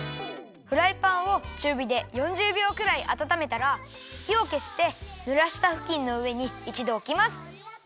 フライパンをちゅうびで４０びょうくらいあたためたらひをけしてぬらしたふきんのうえにいちどおきます。